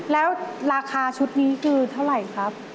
แล้วราคาชุดนี้คือเท่าไหร่ครับ